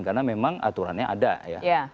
karena memang aturannya ada ya